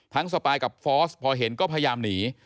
สปายกับฟอสพอเห็นก็พยายามหนี